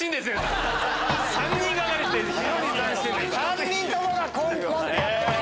３人ともがコンコンって。